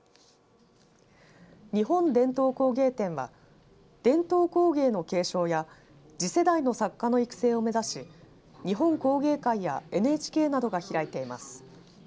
日本伝統工芸展は伝統工芸の継承や次世代の作家の育成を目指し日本工芸会やＮＨＫなどが開いています。